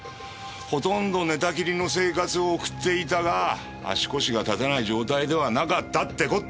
ほとんど寝たきりの生活を送っていたが足腰が立たない状態ではなかったって事だろ？